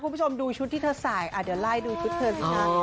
คุณผู้ชมดูชุดที่เธอใส่เดี๋ยวไล่ดูชุดเธอสินะ